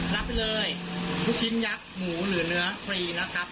รับไปเลยลูกชิ้นยักษ์หมูหรือเนื้อฟรีนะครับ